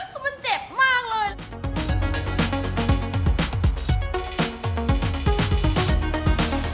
คือมันเจ็บมากเลย